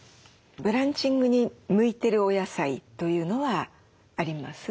ブランチングに向いてるお野菜というのはあります？